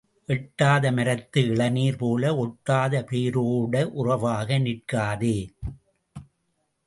எட்டாத மரத்து இளநீர் போல ஒட்டாத பேரோடே உறவாக நிற்காதே.